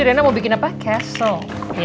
jadi rena mau bikin apa castle